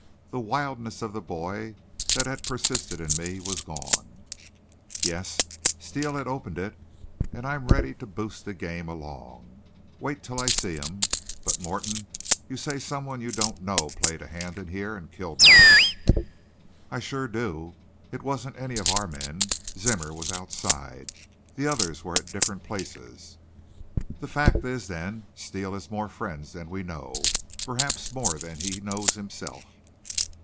The wildness of the boy that had persisted in me was gone. "Yes, Steele has opened it and I'm ready to boost the game along. Wait till I see him! But Morton, you say someone you don't know played a hand in here and killed March." "I sure do. It wasn't any of our men. Zimmer was outside. The others were at different places." "The fact is, then, Steele has more friends than we know, perhaps more than he knows himself."